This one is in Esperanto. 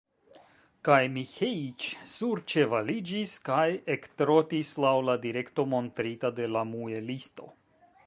Kaj Miĥeiĉ surĉevaliĝis kaj ektrotis laŭ la direkto, montrita de la muelisto.